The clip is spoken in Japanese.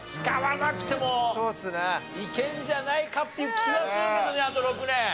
使わなくてもいけるんじゃないかっていう気はするけどね